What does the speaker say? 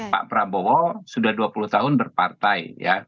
pak prabowo sudah dua puluh tahun berpartai